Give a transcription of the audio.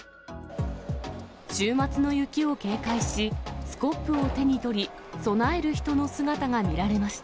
週末の雪を警戒し、スコップを手に取り、備える人の姿が見られました。